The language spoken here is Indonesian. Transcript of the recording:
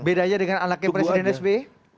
beda aja dengan ala kepresiden sbi